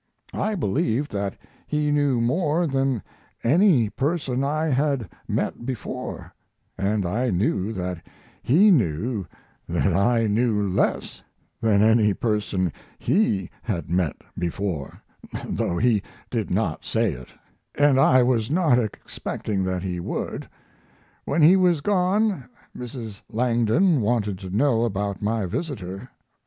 I believed that he knew more than any person I had met before, and I knew that he knew that I knew less than any person he had met before though he did not say it, and I was not expecting that he would. When he was gone Mrs. Langdon wanted to know about my visitor.